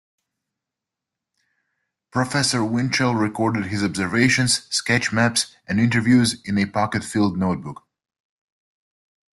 Professor Winchell recorded his observations, sketch maps, and interviews in a pocket field notebook.